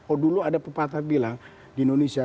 oh dulu ada pepatah bilang di indonesia